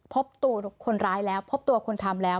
พบตัวคนร้ายแล้วพบตัวคนทำแล้ว